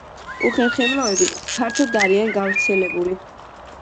უხერხემლოები ფართოდ არიან გავრცელებული.